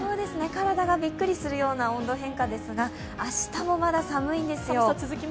体がびっくりするような温度変化ですが、明日もまだ寒いんですよ。